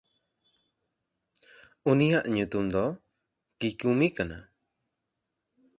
ᱩᱱᱤᱭᱟᱜ ᱧᱩᱛᱩᱢ ᱫᱚ ᱠᱤᱠᱩᱢᱤ ᱠᱟᱱᱟ᱾